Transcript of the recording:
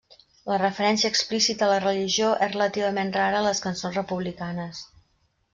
La referència explícita a la religió és relativament rara en les cançons republicanes.